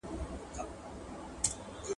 نو بیا ولي ګیله من یې له اسمانه !.